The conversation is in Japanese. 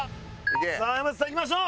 さあ山内さんいきましょう！